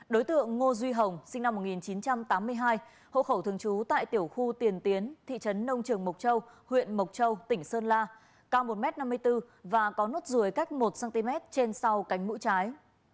đối tượng ngô duy hồng sinh năm một nghìn chín trăm tám mươi hai hộ khẩu thường trú tại tiểu khu tiền tiến thị trấn nông trường mộc châu huyện mộc châu tỉnh sơn la cao một m năm mươi bốn và có nốt ruồi cách một cm trên sau cánh mũi trái